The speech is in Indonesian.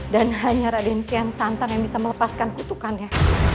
dan hanya raden kian santang yang bisa melepaskan kutukannya